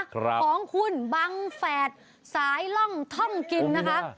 ของคุณบังแฝดสายล่องท่องกินนะคะ